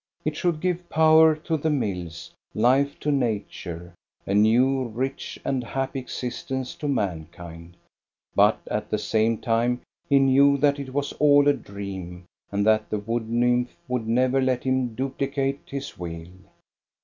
It should give power to the mills, life to nature, a new, rich, and happy existence to mankind. But at the same time he knew that it was all a dream and that the wood nymph would never let him duplicate his wheel.